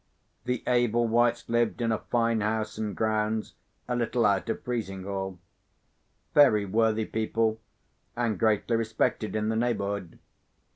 The Ablewhites lived in a fine house and grounds, a little out of Frizinghall. Very worthy people, and greatly respected in the neighbourhood.